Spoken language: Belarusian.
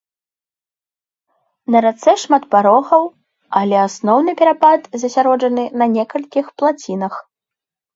На рацэ шмат парогаў, але асноўны перапад засяроджаны на некалькіх плацінах.